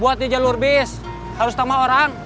buat di jalur bis harus tambah orang